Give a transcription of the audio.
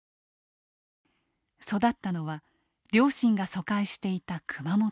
育ったのは両親が疎開していた熊本。